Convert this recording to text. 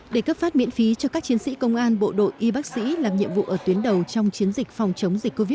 để cấp phát miễn phí cho các chiến sĩ công an bộ đội y bác sĩ làm nhiệm vụ ở tuyến đầu trong chiến dịch phòng chống dịch covid một mươi chín